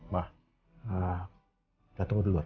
bah kita tunggu dulu